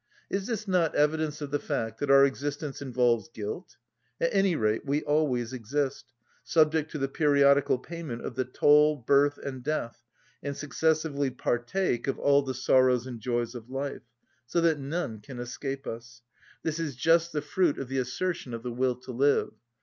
Is this not evidence of the fact that our existence involves guilt? At any rate, we always exist, subject to the periodical payment of the toll, birth and death, and successively partake of all the sorrows and joys of life, so that none can escape us: this is just the fruit of the assertion of the will to live.